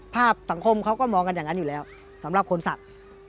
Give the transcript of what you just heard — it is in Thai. สังคมเขาก็มองกันอย่างนั้นอยู่แล้วสำหรับคนศักดิ์